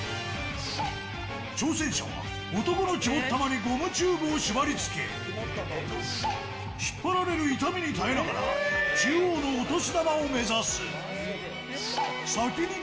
挑戦者は、男の肝っ玉にゴムチューブを縛りつけ、引っ張られる痛みに耐えながら、中央のお年玉を目指す。